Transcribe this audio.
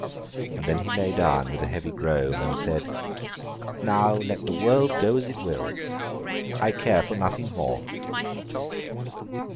And then he lay down with a heavy groan, and said, 'Now let the world go as it will. I care for nothing more!